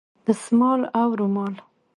دستمال او رومال